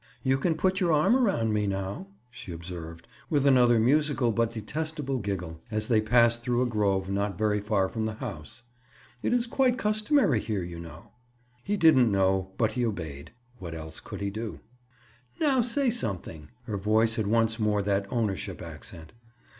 "You can put your arm around me now," she observed, with another musical but detestable giggle, as they passed through a grove, not very far from the house. "It is quite customary here, you know." He didn't know, but he obeyed. What else could he do? "Now say something." Her voice had once more that ownership accent.